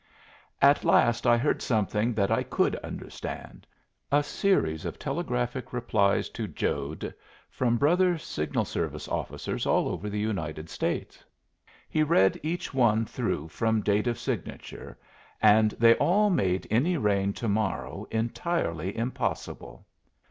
At last I heard something that I could understand a series of telegraphic replies to Jode from brother signal service officers all over the United States. He read each one through from date of signature, and they all made any rain to morrow entirely impossible.